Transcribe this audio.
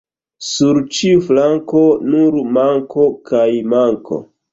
Sur ĉiu flanko nur manko kaj manko.